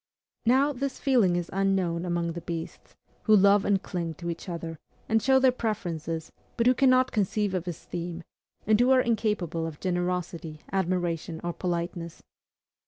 Now, this feeling is unknown among the beasts, who love and cling to each other, and show their preferences, but who cannot conceive of esteem, and who are incapable of generosity, admiration, or politeness.